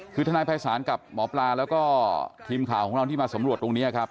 คือทนายภัยศาลกับหมอปลาแล้วก็ทีมข่าวของเราที่มาสำรวจตรงนี้ครับ